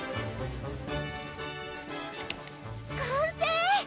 完成！